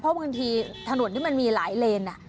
เพราะบางทีถนนที่มันมีหลายเลน